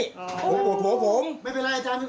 คำนวณเจอยังไหมครับคำนวณเจอยังไหมครับคำนวณเจอยังไหมครับ